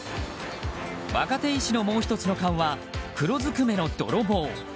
若手医師のもう１つの顔は黒ずくめの泥棒。